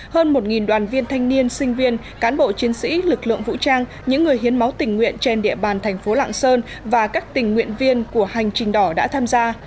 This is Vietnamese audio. hơn một đoàn viên thanh niên sinh viên cán bộ chiến sĩ lực lượng vũ trang những người hiến máu tình nguyện trên địa bàn thành phố lạng sơn và các tình nguyện viên của hành trình đỏ đã tham gia